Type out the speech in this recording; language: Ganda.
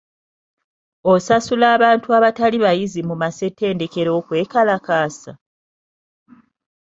Osasula abantu abatali bayizi mu massetendekero okwekalakaasa?